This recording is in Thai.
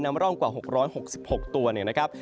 ปลาวานนำมาร่องกว่า๖๖๖ตัว